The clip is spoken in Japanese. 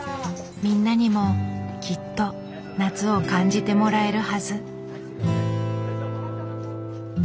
みんなにもきっと夏を感じてもらえるはず。